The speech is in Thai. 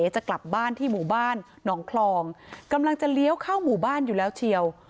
จะกลับบ้านที่หมู่บ้านหนองคลองกำลังจะเลี้ยวเข้าหมู่บ้านอยู่แล้วเชียว